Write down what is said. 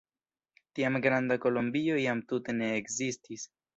Tiam Granda Kolombio jam tute ne ekzistis.